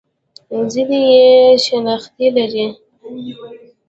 ځینې یې شنختې لري.